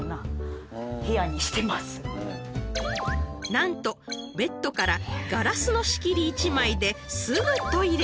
［何とベッドからガラスの仕切り１枚ですぐトイレ］